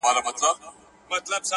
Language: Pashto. یوهډوکی یې د پښې وو که د ملا وو؛